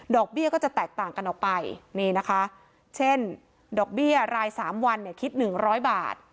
เบี้ยก็จะแตกต่างกันออกไปนี่นะคะเช่นดอกเบี้ยราย๓วันเนี่ยคิด๑๐๐บาท